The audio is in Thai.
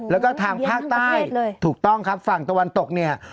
แล้วก็ทางภาคใต้ถูกต้องครับฝั่งตะวันตกเนี่ย